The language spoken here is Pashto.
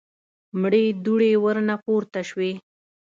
مړې دوړې ورنه پورته شوې.